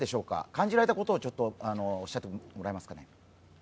感じられたことをおっしゃってもらえますか。